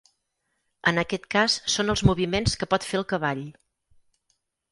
En aquest cas són els moviments que pot fer el cavall.